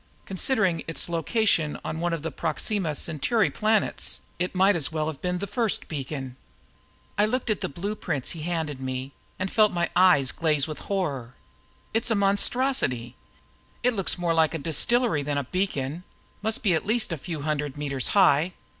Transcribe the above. Considering its location on one of the Proxima Centauri planets, it might very well be the first beacon." I looked at the blueprints he handed me and felt my eyes glaze with horror. "It's a monstrosity! It looks more like a distillery than a beacon must be at least a few hundred meters high.